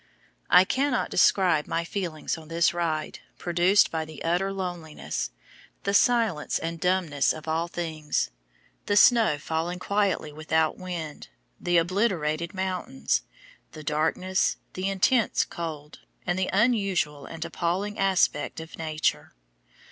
I cannot describe my feelings on this ride, produced by the utter loneliness, the silence and dumbness of all things, the snow falling quietly without wind, the obliterated mountains, the darkness, the intense cold, and the unusual and appalling aspect of nature.